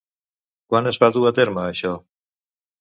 Quan es va dur a terme això?